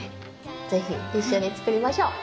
是非一緒に作りましょう。